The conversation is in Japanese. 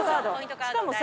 しかもさ。